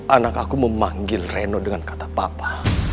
anak aku memanggil reno dengan kata papa